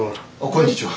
こんにちは。